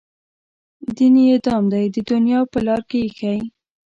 دین یې دام دی د دنیا په لار کې ایښی.